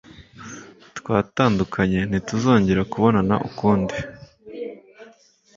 Twatandukanye, ntituzongera kubonana ukundi.